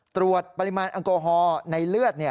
ตรวจปริมาณอัลกอฮอล์ในเลือดเนี่ย